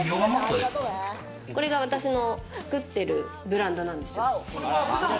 これが私の作ってるブランドなんです。